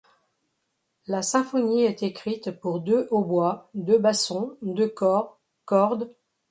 La symphonie est écrite pour deux hautbois, deux bassons, deux cors, cordes.